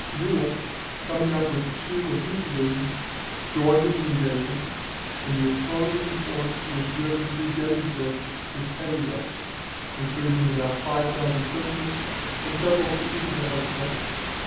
Ewell, coming up with two of his divisions, joined in the engagement; and the opposing force was driven through Gettysburg with heavy loss, including about five thousand prisoners and several pieces of artillery.